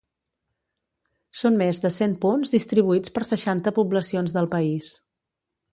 Són més de cent punts distribuïts per seixanta poblacions del país.